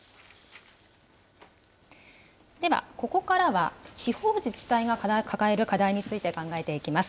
ではここからは、地方自治体が抱える課題について考えていきます。